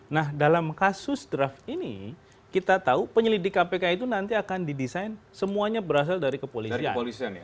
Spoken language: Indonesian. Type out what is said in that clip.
nah dalam kasus draft ini kita tahu penyelidik kpk itu nanti akan didesain semuanya berasal dari kepolisian